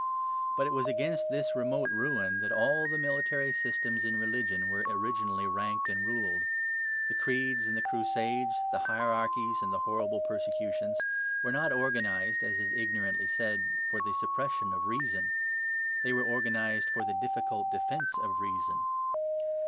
But it was against this remote ruin that all the military systems in religion were originally ranked and ruled. The creeds and the crusades, the hierarchies and the horrible persecutions were not organized, as is ignorantly said, for the suppression of reason. They were organized for the difficult defence of reason.